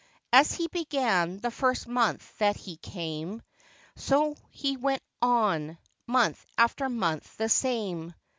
As he began the first month that he came. So he went on, month after month the same.